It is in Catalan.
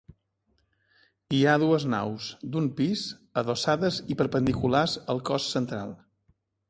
Hi ha dues naus, d'un pis, adossades i perpendiculars al cos central.